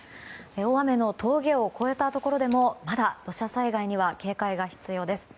大雨の峠を越えたところでもまだ土砂災害には警戒が必要です。